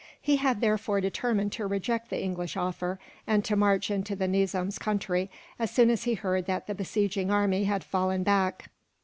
He had therefore determined to reject the English offer, and to march into the Nizam's country, as soon as he heard that the besieging army had fallen back.